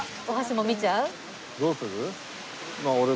お箸も見ちゃう？